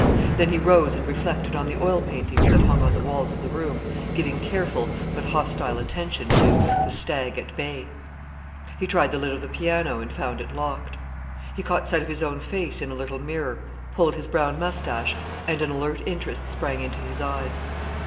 Then he rose and reflected on the oil paintings that hung on the walls of the room, giving careful but hostile attention to "The Stag at Bay". He tried the lid of the piano, and found it locked. He caught sight of his own face in a little mirror, pulled his brown moustache, and an alert interest sprang into his eyes.